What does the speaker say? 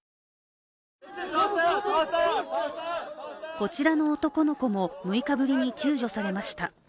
こちらの男の子も６日ぶりに救助されました。